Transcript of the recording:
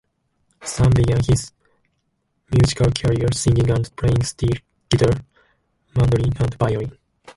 Sahm began his musical career singing and playing steel guitar, mandolin, and violin.